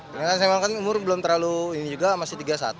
karena saya memang kan umur belum terlalu ini juga masih tiga puluh satu